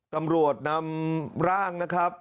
ตำรวจนำร่างนะครับ